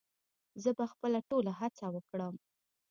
زه به خپله ټوله هڅه وکړم